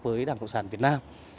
với đảng cộng sản việt nam